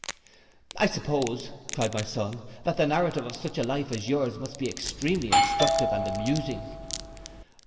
'I suppose,' cried my son, 'that the narrative of such a life as yours must be extremely instructive and amusing.